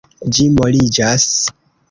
Ĝi moliĝas.